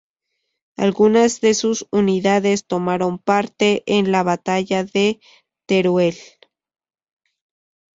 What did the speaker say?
Algunas de sus unidades tomaron parte en la batalla de Teruel.